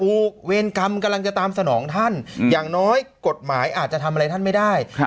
เวรกรรมกำลังจะตามสนองท่านอย่างน้อยกฎหมายอาจจะทำอะไรท่านไม่ได้